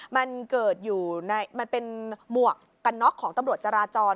มันเป็นหมวกกันน็อกของตำรวจจราจร